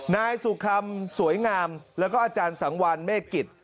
นายสุคำสวยงามแล้วก็อาจารย์สังวานเมฆกิจ